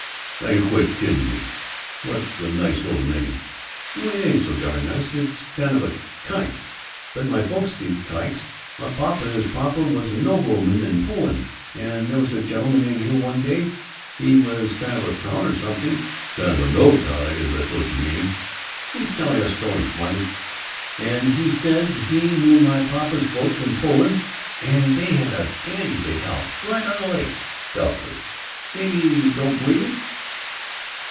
"Now you quit kidding me! What's the nice little name?" "Oh, it ain't so darn nice. I guess it's kind of kike. But my folks ain't kikes. My papa's papa was a nobleman in Poland, and there was a gentleman in here one day, he was kind of a count or something " "Kind of a no account, I guess you mean!" "Who's telling this, smarty? And he said he knew my papa's papa's folks in Poland and they had a dandy big house. Right on a lake!" Doubtfully, "Maybe you don't believe it?"